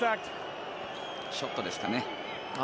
ショットでしたね。